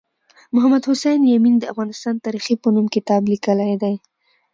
محمد حسین یمین د افغانستان تاریخي په نوم کتاب لیکلی دی